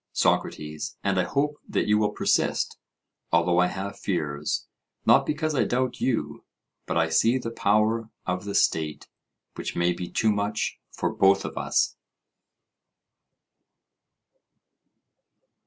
SOCRATES: And I hope that you will persist; although I have fears, not because I doubt you; but I see the power of the state, which may be too much for both of us.